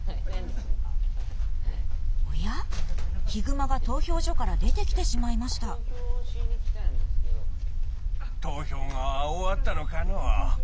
おやヒグマが投票所から出てきてしまいました投票が終わったのかのう。